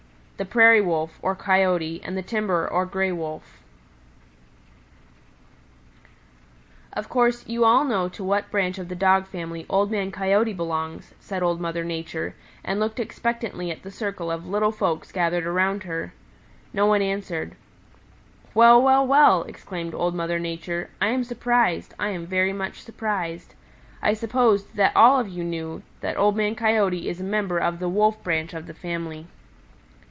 CHAPTER XXVIII Old Man Coyote and Howler the Wolf "Of course, you all know to what branch of the Dog family Old Man Coyote belongs," said Old Mother Nature, and looked expectantly at the circle of little folks gathered around her. No one answered. "Well, well, well!" exclaimed Old Mother Nature, "I am surprised. I am very much surprised. I supposed that all of you knew that Old Man Coyote is a member of the Wolf branch of the family."